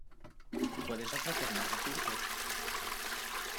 Puedes ofrecer más recursos.